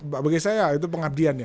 bagi saya ya itu pengabdian ya